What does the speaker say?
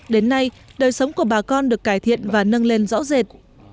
đến nay đời sống của bà con được cải thiện và nâng lên rõ rệt